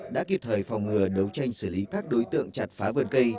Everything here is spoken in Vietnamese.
đã kịp thời phòng ngừa đấu tranh xử lý các đối tượng chặt phá vườn cây